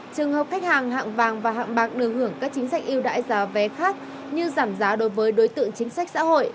trường hợp khách hàng hạng vàng và hạng bạc được hưởng các chính sách yêu đãi giá vé khác như giảm giá đối với đối tượng chính sách xã hội